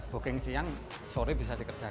booking siang sore bisa dikerjakan